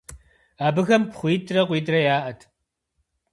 Абыхэм пхъуитӏрэ къуитӏрэ яӏэт.